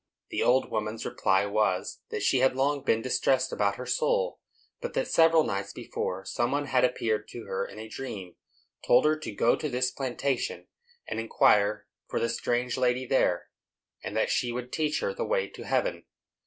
The old woman's reply was, that she had long been distressed about her soul; but that, several nights before, some one had appeared to her in a dream, told her to go to this plantation and inquire for the strange lady there, and that she would teach her the way to heaven.